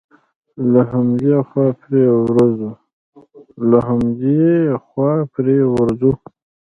له همدې خوا پرې ورځو.